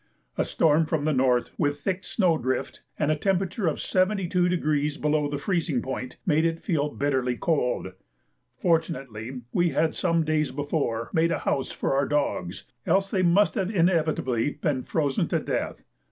A storm from the north with thick snow drift, and a temperature of 72° below the freezing point, made it feel bitterly cold. Fortunately we had some days before made a house for our dogs, else they must have inevitably been frozen to death.